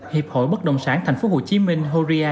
hiệp hội bất đồng sản thành phố hồ chí minh horea